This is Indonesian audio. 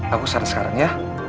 aku saran sekarang ya